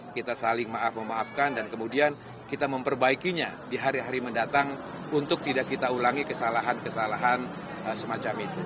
kita saling maaf memaafkan dan kemudian kita memperbaikinya di hari hari mendatang untuk tidak kita ulangi kesalahan kesalahan semacam itu